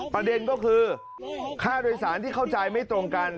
ประเด็นก็คือค่าโดยสารที่เข้าใจไม่ตรงกัน